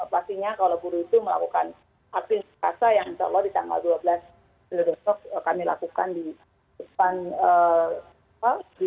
pastinya kalau buruh itu melakukan aksin perkasa yang insya allah di tanggal dua belas kami lakukan